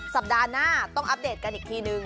สัปดาห์หน้าต้องอัปเดตกันอีกทีนึง